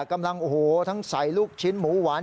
กำลังโอ้โหทั้งใส่ลูกชิ้นหมูหวาน